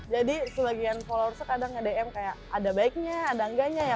jadi sebagian followersnya kadang nge dm kayak ada baiknya ada enggaknya ya